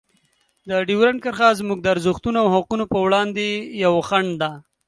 ډیورنډ کرښه زموږ د ارزښتونو او حقونو په وړاندې یوه خنډ ده.